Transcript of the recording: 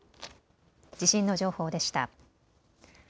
地震の情報でした。